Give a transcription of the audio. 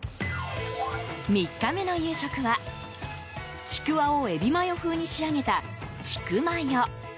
３日目の夕食はちくわをエビマヨ風に仕上げたちくまよ。